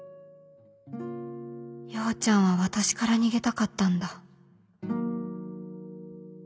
陽ちゃんは私から逃げたかったんだ